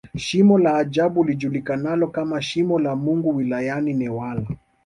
Shimo la ajabu lijulikanalo kama Shimo la Mungu wilayani Newala